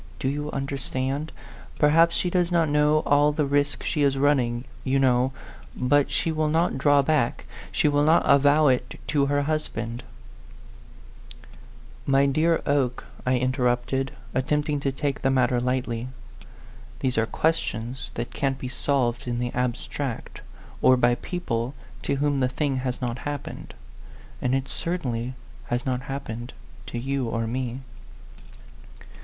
Do you understand ? Perhaps she does not know all the risk she is running, you know, but she will not draw back she will not avow it to her hus band" "My dear Oke," I interrupted, attempt ing to take the matter lightly, "these are 122 A PHANTOM LOVER. questions that can't be solved in the ab stract, or by people to whom the thing has not happened. And it certainly has not happened to you or me."